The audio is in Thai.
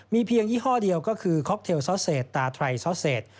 เพียงยี่ห้อเดียวก็คือค็อกเทลซอสเศษตาไทซอสเศษ